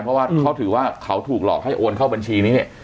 เพราะว่าเขาถือว่าเขาถูกหลอกให้โอนเข้าบัญชีนี้เนี่ย